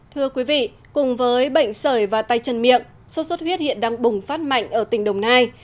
thưa quý vị cùng với bệnh sởi và tay chân miệng sốt xuất huyết hiện đang bùng phát mạnh ở tỉnh đồng nai